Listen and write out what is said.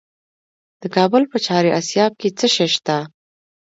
د کابل په چهار اسیاب کې څه شی شته؟